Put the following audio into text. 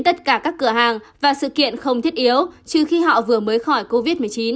tất cả các cửa hàng và sự kiện không thiết yếu trừ khi họ vừa mới khỏi covid một mươi chín